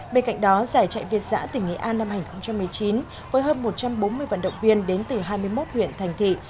bên cạnh đó giải chạy việt giã tỉnh nghệ an năm hai nghìn một mươi chín với hơn một trăm bốn mươi vận động viên đến từ hai mươi một huyện thành thị